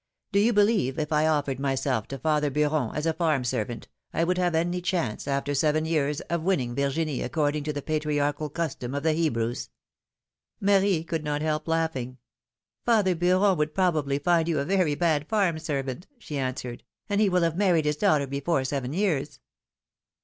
Do you believe if I offered myself to father Beuron, as a farm servant, I Avould have any chance, after seven years, of winning Virginie according to the patriarchal custom of the Hebrews ? Marie could not help laughing. Father Beuron would probably find you a very bad farm servant,'^ she answered ; and he will have married his daughter before seven years."